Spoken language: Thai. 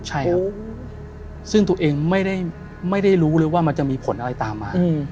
ใช่ครับซึ่งตัวเองไม่ได้รู้เลยว่ามันจะมีผลอะไรตามมา